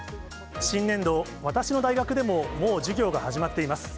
新年度、私の大学でも、もう授業が始まっています。